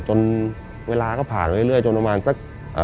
จนเวลาก็ผ่านไปเรื่อยจนประมาณสัก